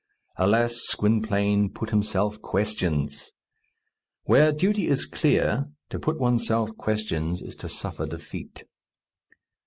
Alas! Gwynplaine put himself questions. Where duty is clear, to put oneself questions is to suffer defeat.